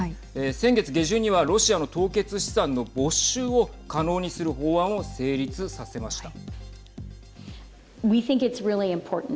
先月下旬にはロシアの凍結資産の没収を可能にする法案を成立させました。